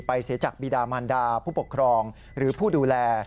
เสียจากบีดามันดาผู้ปกครองหรือผู้ดูแล